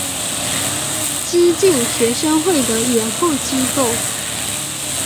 激进学生会的掩护机构。